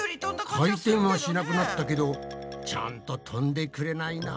回転はしなくなったけどちゃんと飛んでくれないな。